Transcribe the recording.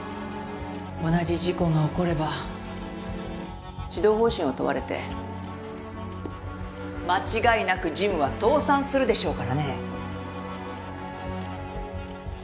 同じ事故が起これば指導方針を問われて間違いなくジムは倒産するでしょうからね。